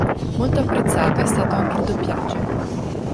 Molto apprezzato è stato anche il doppiaggio.